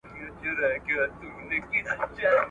روغتیا ته پاملرنه د مور د ژوند یوه برخه ده.